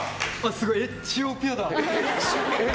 すごい、エチオピアだ！